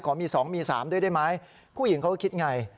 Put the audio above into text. ขอมีสองมีสามด้วยได้ไหมผู้หญิงเขาก็คิดอย่างไร